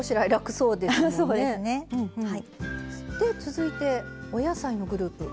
で続いてお野菜のグループ。